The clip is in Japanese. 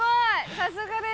さすがです。